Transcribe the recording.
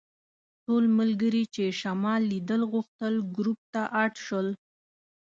ټول ملګري چې شمال لیدل غوښتل ګروپ ته اډ شول.